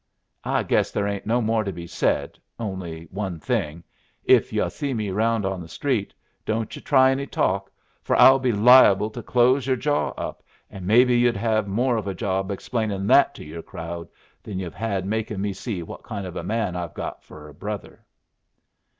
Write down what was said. I guess there ain't no more to be said, only one thing. If yu' see me around on the street, don't yu' try any talk, for I'd be liable to close your jaw up, and maybe yu'd have more of a job explainin' that to your crowd than you've had makin' me see what kind of a man I've got for a brother."